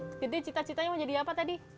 kalau gede cita citanya mau jadi apa tadi